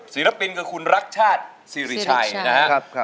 ศิลปินคือคุณรักชาติสิริชัยนะครับ